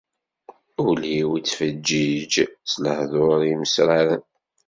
Ul-iw ittfeggiḍ s lehdur imesraren.